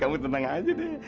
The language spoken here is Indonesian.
kamu tenang aja deh